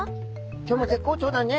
今日も絶好調だね。